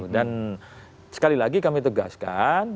dan sekali lagi kami tegaskan